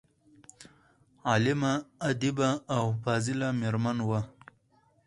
عالمه، ادیبه او فاضله میرمن وه.